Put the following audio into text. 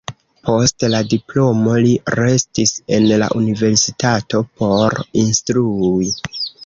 Post la diplomo li restis en la universitato por instrui.